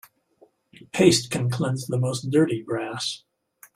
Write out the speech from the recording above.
Paste can cleanse the most dirty brass.